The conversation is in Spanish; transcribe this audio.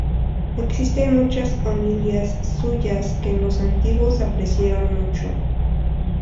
Existen muchas homilías suyas, que los antiguos apreciaron mucho.